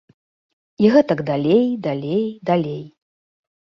І гэтак далей, далей, далей.